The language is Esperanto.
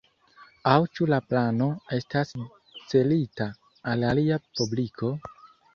Aŭ ĉu la plano estas celita al alia publiko?